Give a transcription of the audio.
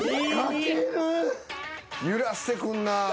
揺らしてくんなぁ。